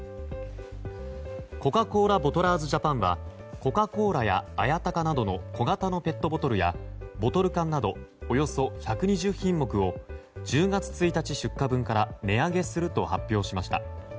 コカ・コーラボトラーズジャパンはコカ・コーラや綾鷹などの小型のペットボトルやボトル缶などおよそ１２０品目を１０月１日出荷分から値上げすると発表しました。